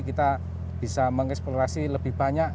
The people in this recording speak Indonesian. kita bisa mengeksplorasi lebih banyak